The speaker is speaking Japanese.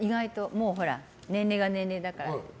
もうほら、年齢が年齢だから。